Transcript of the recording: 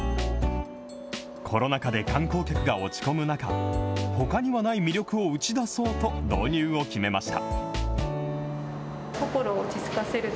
コロナ禍で観光客が落ち込む中、ほかにはない魅力を打ち出そうと導入を決めました。